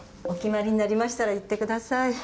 お決まりになりましたら言ってください。